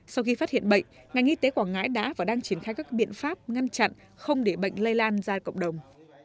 sau khi phát hiện bệnh ngành y tế quảng ngãi đã và đang triển khai các biện pháp ngăn chặn không để bệnh lây lan ra cộng đồng